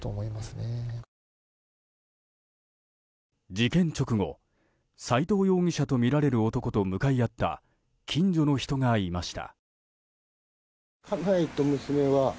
事件直後、斎藤容疑者とみられる男と向かい合った近所の人がいました。